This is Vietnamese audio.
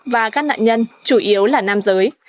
và các nạn nhân chủ yếu là nam giới